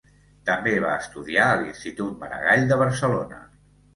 També va estudiar a l'Institut Maragall de Barcelona.